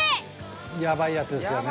やばいやつですよね。